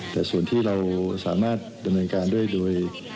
แต่ส่วนที่เราสามารถดำเนินการด้วยโดย